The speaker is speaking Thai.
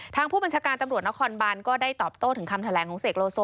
ทางผู้บัญชาการตำรวจนครบานก็ได้ตอบโต้ถึงคำแถลงของเสกโลโซ